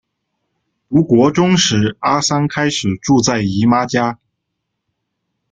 读国中时阿桑开始住在姨妈家。